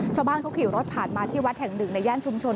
ชาวบ้านเขาขี่รถผ่านมาที่วัดแห่งหนึ่งในย่านชุมชน